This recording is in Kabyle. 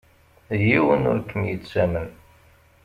Yiwen ur kem-yettamen.